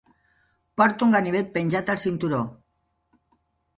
Porta un ganivet penjat al cinturó.